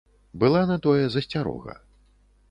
Была на тое засцярога.